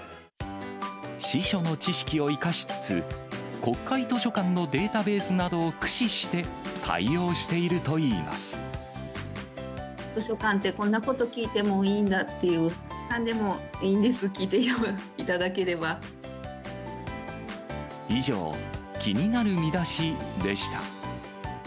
司書の知識を生かしつつ、国会図書館のデータベースなどを駆使して、対応しているといいま図書館って、こんなこと聞いてもいいんだっていう、なんでもいいんです、以上、気になるミダシでした。